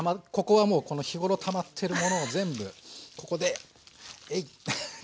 ここはもう日頃たまっているものを全部ここでえいっと。